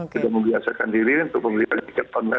sudah membiasakan diri untuk membeli tiket online